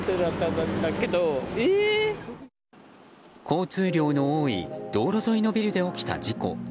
交通量の多い道路沿いのビルで起きた事故。